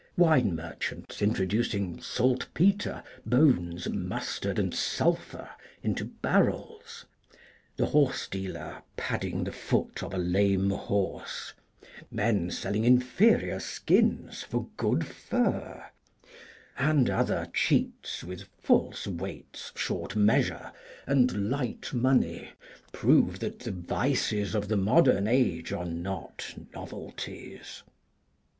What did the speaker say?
Wine merchants introducing salt petre, bones, mustard, and sulphur into barrels, the horse dealer padding the foot of a lame horse, men selling inferior skins for good fur, and other cheats with false weights, short measure, and light money, prove that the vices of the modern age are not novelties.